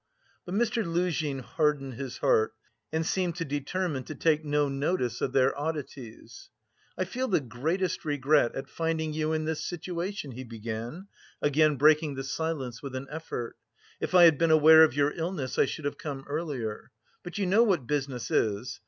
But Mr. Luzhin hardened his heart and seemed to determine to take no notice of their oddities. "I feel the greatest regret at finding you in this situation," he began, again breaking the silence with an effort. "If I had been aware of your illness I should have come earlier. But you know what business is.